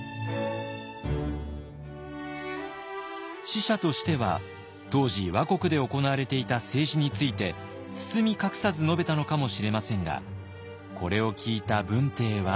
使者としては当時倭国で行われていた政治について包み隠さず述べたのかもしれませんがこれを聞いた文帝は。